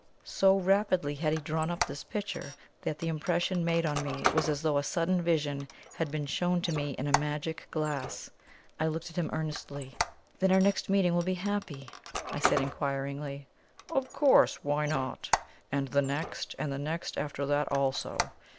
So rapidly had he drawn up this picture, that the impression made on me was as though a sudden vision had been shown to me in a magic glass. I looked at him earnestly. "Then our next meeting will be happy?" I said inquiringly. "Of course. Why not? And the next and the next after that also!"